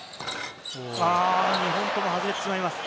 ２本とも外れてしまいます。